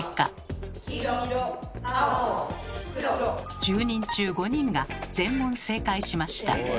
１０人中５人が全問正解しました。